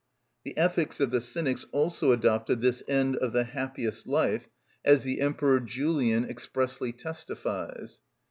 _" The ethics of the Cynics also adopted this end of the happiest life, as the Emperor Julian expressly testifies (Orat.